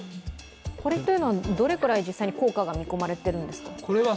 これはどれくらい実際に効果が見込まれているんですか？